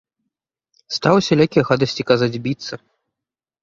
Стаў усялякія гадасці казаць, біцца.